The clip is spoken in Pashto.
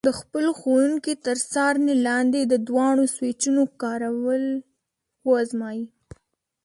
د خپل ښوونکي تر څارنې لاندې د دواړو سویچونو کارول وازمایئ.